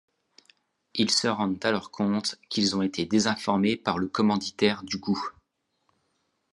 Ils se rendent alors compte qu'ils ont été désinformés par le commanditaire du coup.